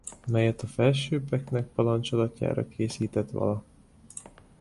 Melyet a felsőbbeknek parancsolatjára készített vala...